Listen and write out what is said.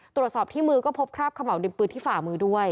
ตรวจสอบที่มือก็พบคราบขม่าดินปืนที่ฝ่ามือด้วย